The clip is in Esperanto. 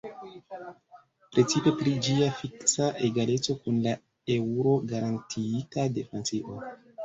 Precipe pri ĝia fiksa egaleco kun la eŭro garantiita de Francio.